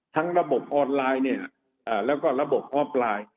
ทั้งระบบออนไลน์แล้วก็ระบบออฟไลน์